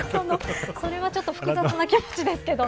それはちょっと複雑な気持ちですけど。